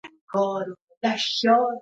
پسه د افغان کورنیو د دودونو مهم عنصر دی.